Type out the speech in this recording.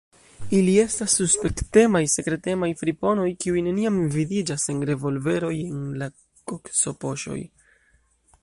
Ili estas suspektemaj, sekretemaj friponoj, kiuj neniam vidiĝas sen revolveroj en la koksopoŝoj.